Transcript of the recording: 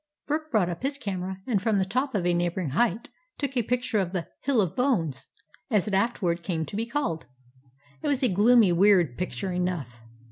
Burke brought up his camera, and from the top of a neighboring height took a picture of the ''Hill of Bones," as it afterward came to be called. It was a gloomy, weird picture enough!